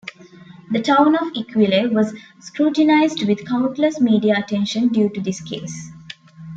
The town of Eckville was scrutinized with countless media attention due to this case.